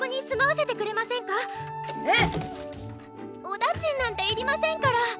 お駄賃なんていりませんから！